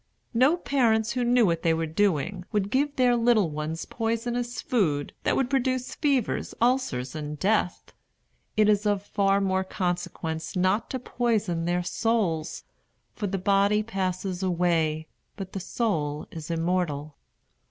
No parents who knew what they were doing would give their little ones poisonous food, that would produce fevers, ulcers, and death. It is of far more consequence not to poison their souls; for the body passes away, but the soul is immortal.